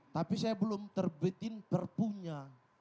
tapi saya belum terbitin perpunya